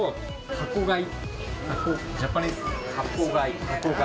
箱買い。